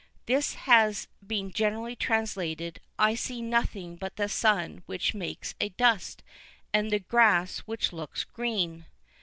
This has been generally translated, "I see nothing but the sun which makes a dust, and the grass which looks green."